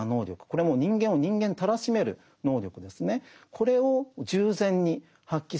これはもう人間を人間たらしめる能力ですね。